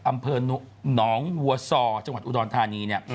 อำเภอหนองวัวซอจังหวัดอุดรธานีเนี่ย